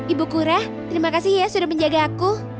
ibu kura terima kasih ya sudah menjaga aku